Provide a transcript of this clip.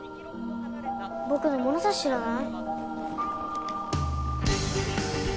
僕の物差し知らない？